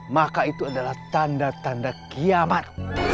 maka itu adalah tanda tanda kiamat